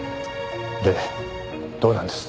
でどうなんです？